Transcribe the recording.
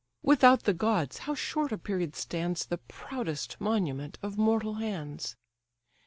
Without the gods, how short a period stands The proudest monument of mortal hands!